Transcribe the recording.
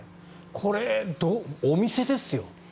これ、お店ですよ。